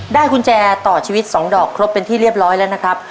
กุญแจต่อชีวิต๒ดอกครบเป็นที่เรียบร้อยแล้วนะครับ